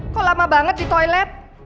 kok lama banget di toilet